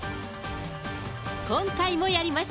今回もやります。